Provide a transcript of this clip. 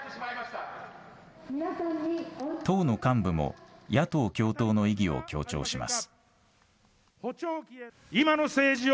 党の幹部も野党共闘の意義を強調します。